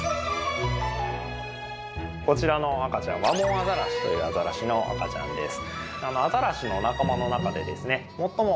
こちらの赤ちゃんワモンアザラシというアザラシの赤ちゃんです。